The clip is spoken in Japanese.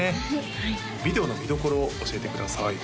はいビデオの見どころを教えてください